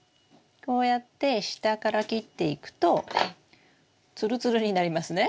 こうやって下から切っていくとツルツルになりますね？